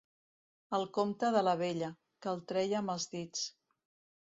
El compte de la vella, que el treia amb els dits.